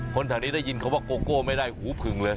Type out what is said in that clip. แถวนี้ได้ยินคำว่าโกโก้ไม่ได้หูผึ่งเลย